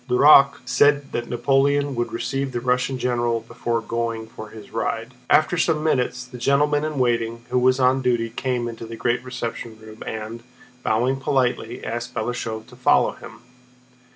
Duroc said that Napoleon would receive the Russian general before going for his ride. After some minutes, the gentleman in waiting who was on duty came into the great reception room and, bowing politely, asked Balashëv to follow him.